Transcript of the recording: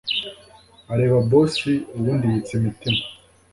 areba boss ubundi yitsa imitima